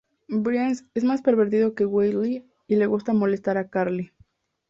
Brains es más pervertido que Wheelie, y le gusta molestar a Carly.